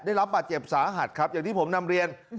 ได้รับบาดเจ็บสาหัสครับอย่างที่ผมนำเรียน